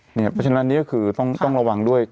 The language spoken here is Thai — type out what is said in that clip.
เพราะฉะนั้นต้องระวังด้วย